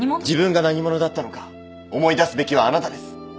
自分が何者だったのか思い出すべきはあなたです。